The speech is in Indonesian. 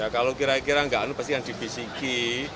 kalau kira kira nggak anu pasti yang dibisiki